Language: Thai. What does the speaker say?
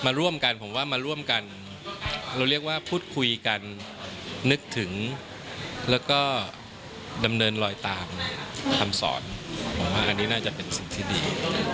ร่วมกันผมว่ามาร่วมกันเราเรียกว่าพูดคุยกันนึกถึงแล้วก็ดำเนินลอยตามคำสอนผมว่าอันนี้น่าจะเป็นสิ่งที่ดี